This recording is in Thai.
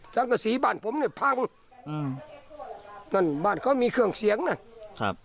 สังกษีบ้านผมเนี่ยพังอืมนั่นบ้านเขามีเครื่องเสียงนะครับ